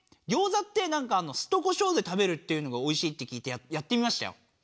ざってなんか酢とこしょうで食べるっていうのがおいしいって聞いてやってみましたよ。